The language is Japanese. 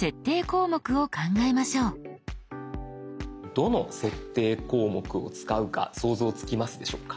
どの設定項目を使うか想像つきますでしょうか？